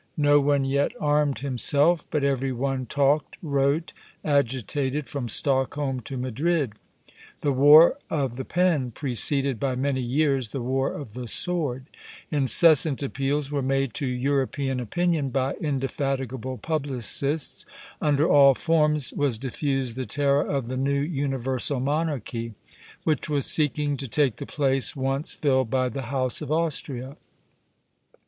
"No one yet armed himself; but every one talked, wrote, agitated, from Stockholm to Madrid.... The war of the pen preceded by many years the war of the sword; incessant appeals were made to European opinion by indefatigable publicists; under all forms was diffused the terror of the New Universal Monarchy," which was seeking to take the place once filled by the House of Austria.